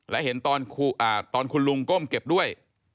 และเห็นตอนคุณลุงก้มเก็บด้วย